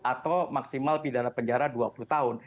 atau maksimal pidana penjara dua puluh tahun